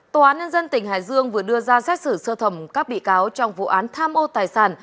tòa án nhân dân tỉnh hải dương vừa đưa ra xét xử sơ thẩm các bị cáo trong vụ án tham ô tài sản